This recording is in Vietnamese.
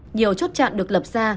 nhiều chốt chạn được lập ra